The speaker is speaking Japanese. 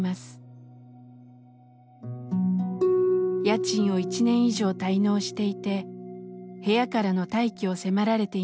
家賃を１年以上滞納していて部屋からの退去を迫られていました。